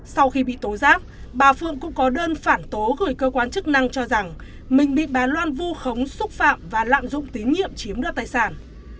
sau khi bị tố giác bà phương cũng có đơn phản tố gửi cơ quan chức năng cho rằng mình bị bà loan vu khống xúc phạm và lạm dụng tín nhiệm chiếm đoạt tài sản